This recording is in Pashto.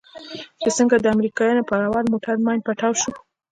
چې څنگه د امريکانو پر اول موټر ماين پټاو سو.